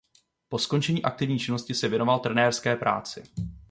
Po skončení aktivní činnosti se věnoval trenérské práci.